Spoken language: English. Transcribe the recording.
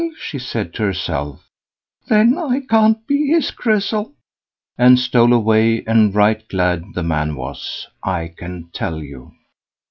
she said to herself, "then I can't be his Grizzel," and stole away; and right glad the man was, I can tell you.